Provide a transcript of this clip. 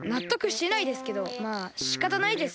しかたないです。